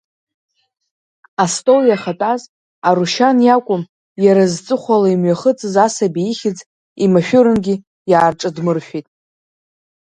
Астол иахатәаз, Арушьан иакәым, иара зҵыхәала имҩахыҵыз асаби ихьӡ, имашәырынгьы иаарҿадмыршәит.